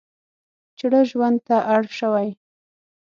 چړه ژوند ته اړ شوي.